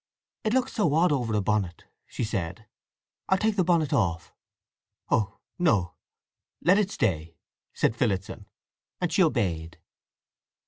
"It looks so odd over a bonnet," she said. "I'll take the bonnet off." "Oh no—let it stay," said Phillotson. And she obeyed.